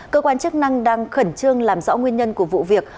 cơ quan chức năng đang khẩn trương làm rõ nguyên nhân của vụ việc